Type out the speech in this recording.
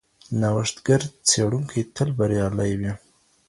نوښتګر څېړونکي تل بریالي وي.